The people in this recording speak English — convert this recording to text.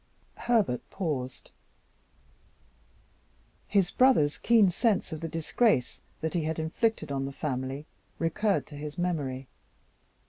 Herbert paused. His brother's keen sense of the disgrace that he had inflicted on the family recurred to his memory.